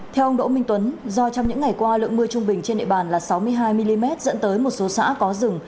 theo ông đỗ minh tuấn do trong những ngày qua lượng mưa trung bình trên địa bàn là sáu mươi hai mm dẫn tới một số xã có rừng